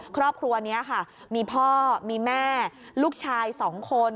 ครอบครัวนี้ค่ะมีพ่อมีแม่ลูกชาย๒คน